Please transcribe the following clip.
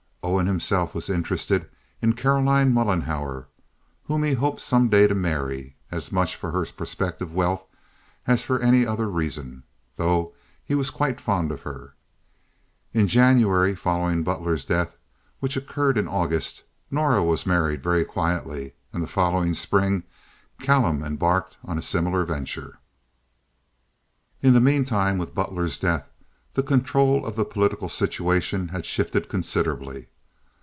Owen himself was interested in Caroline Mollenhauer, whom he hoped some day to marry—as much for her prospective wealth as for any other reason, though he was quite fond of her. In the January following Butler's death, which occurred in August, Norah was married very quietly, and the following spring Callum embarked on a similar venture. In the meanwhile, with Butler's death, the control of the political situation had shifted considerably.